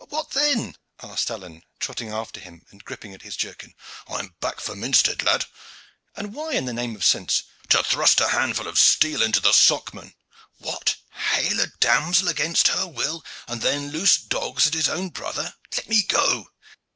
"What then?" asked Alleyne, trotting after him and gripping at his jerkin. "I am back for Minstead, lad." "And why, in the name of sense?" "To thrust a handful of steel into the Socman. What! hale a demoiselle against her will, and then loose dogs at his own brother! Let me go!"